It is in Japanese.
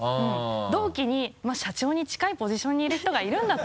同期に「社長に近いポジションにいる人がいるんだ」と。